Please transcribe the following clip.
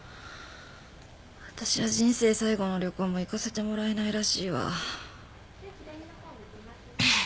私は人生最後の旅行も行かせてもらえないらしいわ。